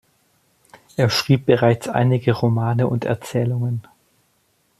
Er schrieb bereits einige Romane und Erzählungen.